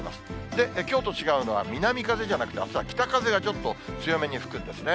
で、きょうと違うのは、南風じゃなくて、あすは北風がちょっと強めに吹くんですね。